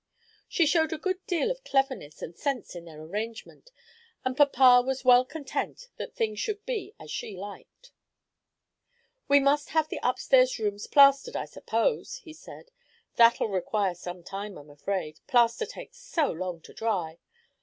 She showed a good deal of cleverness and sense in their arrangement, and papa was well content that things should be as she liked. "We must have the upstairs rooms plastered, I suppose," he said. "That'll require some time, I'm afraid. Plaster takes so long to dry.